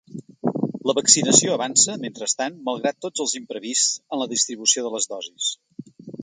La vaccinació avança, mentrestant, malgrat tots els imprevists en la distribució de les dosis.